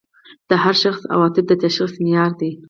د هر شخص عواطف د تشخیص معیار دي.